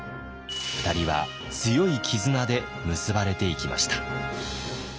２人は強い絆で結ばれていきました。